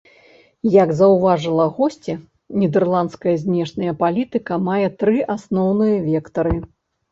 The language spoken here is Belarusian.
Як заўважыла госця, нідэрландская знешняя палітыка мае тры асноўныя вектары.